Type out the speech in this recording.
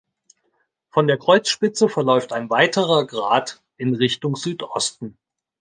Von der Kreuzspitze verläuft ein weiterer Grat in Richtung Südosten.